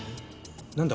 何だ？